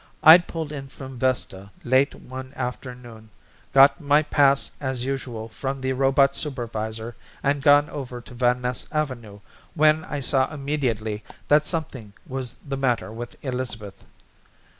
I'd pulled in from Vesta late one afternoon, got my pass as usual from the Robot Supervisor and gone over to Van Ness Avenue when I saw immediately that something was the matter with Elizabeth.